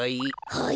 はい。